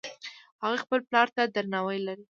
هغوی خپل پلار ته درناوی لري